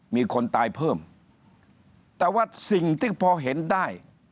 มีคนตายเพิ่มแต่ว่าสิ่งที่พอเห็นได้